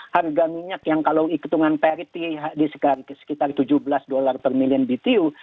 harga minyak yang kalau hitungan parity di sekitar tujuh belas dolar per million btu